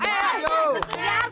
jajan jajan jajan